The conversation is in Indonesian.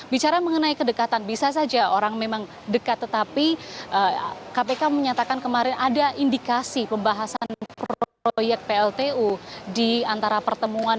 bicara mengenai kedekatan bisa saja orang memang dekat tetapi kpk menyatakan kemarin ada indikasi pembahasan proyek pltu di antara pertemuan